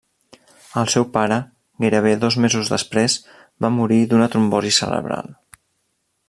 El seu pare, gairebé dos mesos després, va morir d'una trombosi cerebral.